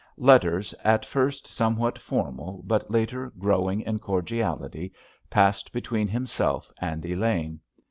Letters at first somewhat formal, but later growing in cordiality, passed between himself and Elaine.